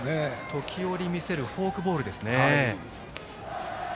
時折見せるフォークボールですね。